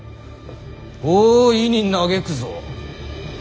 大いに嘆くぞ！